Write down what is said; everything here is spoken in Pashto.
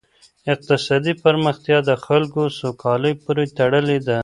اقتصادي پرمختیا د خلګو سوکالۍ پوري تړلې ده.